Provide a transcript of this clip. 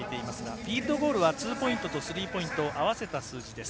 フィールドゴールはツーポイントとスリーポイントを合わせた数字です。